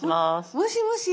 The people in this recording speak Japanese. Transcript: もしもし。